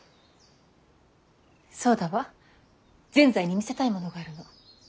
そうだわ善哉に見せたいものがあるの。